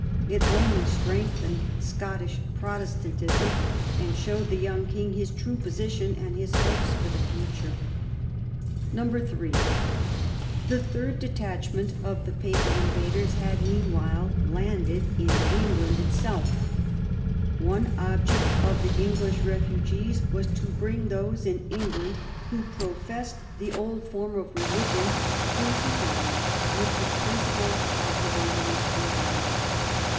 It only strengthened Scottish Protestantism, and showed the young King his true position and his hopes for the future. (3) The third detachment of the Pap^l invaders had, meanwhile, landed in England itself. One object of the English refugees was to bring those in England who professed the old form of religion into line with the principles of the Romanist revival.